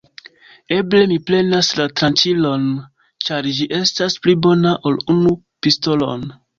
Eble mi prenas la tranĉilon, ĉar ĝi estas pli bona ol unu pistolon.